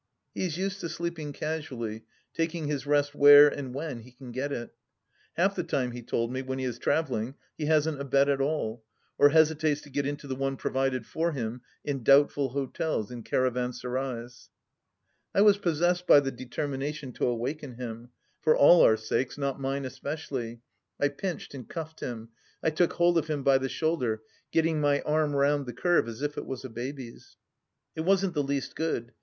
He is used to sleeping casually, taking his rest where and while he can get it. Half the time, he told me, when he is travelling, he hasn't a bed at all, or hesitates to get into the one provided for him in doubtful hotels and caravanserais. I was possessed by the determination to awaken him, for all our sakes — ^not mine especially. I pinched and cuffed him. I took hold of him by the shoulder, getting my arm round the curve as it it was a baby's. It wasn't the least good.